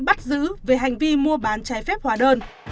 bắt giữ về hành vi mua bán trái phép hóa đơn